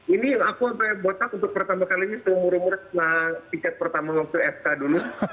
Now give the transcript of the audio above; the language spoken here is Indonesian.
ini aku buatan untuk pertama kali ini sebelum murus murus nah tiket pertama waktu sk dulu